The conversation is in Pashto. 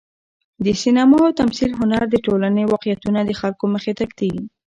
د سینما او تمثیل هنر د ټولنې واقعیتونه د خلکو مخې ته ږدي.